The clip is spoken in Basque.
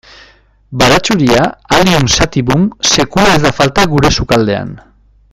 Baratxuria, Allium sativum, sekula ez da falta gure sukaldean.